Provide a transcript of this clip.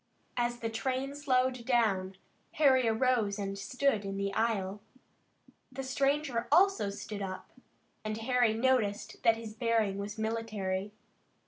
As the train slowed down, Harry arose and stood in the aisle. The stranger also stood up, and Harry noticed that his bearing was military.